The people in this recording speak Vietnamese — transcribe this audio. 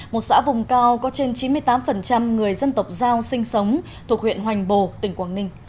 một xã vùng cao có trên chín mươi tám người dân tộc giao sinh sống thuộc huyện hoành bồ tỉnh quảng ninh